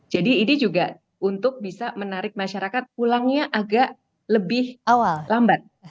jadi ini juga untuk bisa menarik masyarakat pulangnya agak lebih lambat